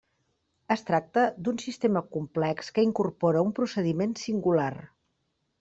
Es tracta d'un sistema complex que incorpora un procediment singular.